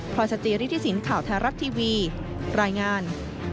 พรศจริษฐศิลป์ข่าวทารัททีวีรายงาน